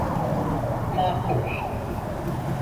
Mâkul…